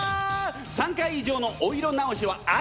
３回以上のお色直しは当たり前！